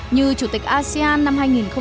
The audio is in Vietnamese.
như chủ tịch asean năm hai nghìn hai mươi